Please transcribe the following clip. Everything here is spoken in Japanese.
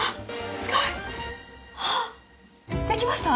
すごい！できました？